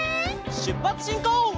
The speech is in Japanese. しゅっぱつしんこう！